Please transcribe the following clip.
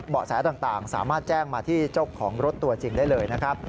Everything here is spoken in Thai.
เบาะแสต่างสามารถแจ้งมาที่เจ้าของรถตัวจริงได้เลย